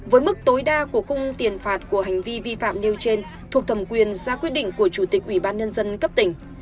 với mức tối đa của khung tiền phạt của hành vi vi phạm nêu trên thuộc thẩm quyền ra quyết định của chủ tịch ubnd cấp tỉnh